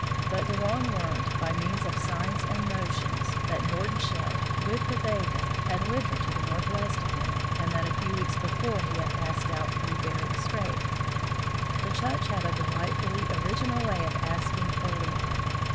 But De Long learned, by means of signs and motions, that Nordenskjold, with the Vega, had wintered to the northwest of them, and that a few weeks before he had passed out through Bering strait. The Tchuktches had a delightfully original way of ask ing for liquor.